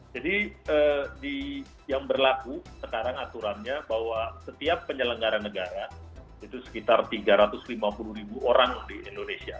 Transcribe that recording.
yang berlaku sekarang aturannya bahwa setiap penyelenggara negara itu sekitar tiga ratus lima puluh ribu orang di indonesia